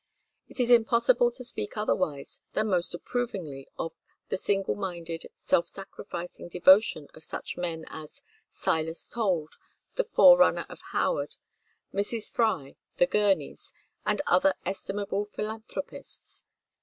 It is impossible to speak otherwise than most approvingly of the single minded, self sacrificing devotion of such men as Silas Told, the forerunner of Howard, Mrs. Fry, the Gurneys, and other estimable philanthropists.